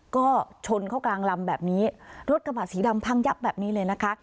ก็ชนเข้ากลางลำแบบนี้รถกระบะสีดำพังยับแบบนี้เลยนะคะ